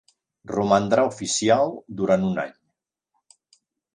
Romandrà oficial durant un any.